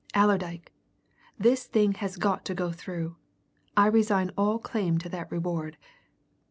"Allerdyke this thing has got to go through! I resign all claim to that reward.